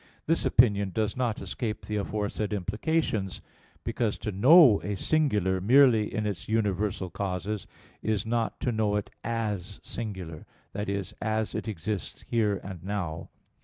This opinion does not escape the aforesaid implications; because, to know a singular, merely in its universal causes, is not to know it as singular, that is, as it exists here and now.